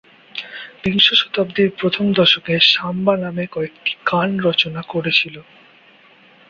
বিংশ শতাব্দীর প্রথম দশকে সাম্বা নামে কয়েকটি গান রচনা করেছিল।